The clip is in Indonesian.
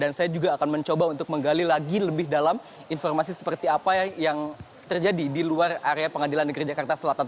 dan saya juga akan mencoba untuk menggali lagi lebih dalam informasi seperti apa yang terjadi di luar area pengadilan negeri jakarta selatan